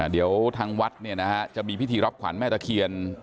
เดี๋ยวทางวัดจะมีพิธีรับขวัญแม่ตะเคียน